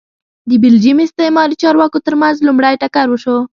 د بلجیم استعماري چارواکو ترمنځ لومړی ټکر وشو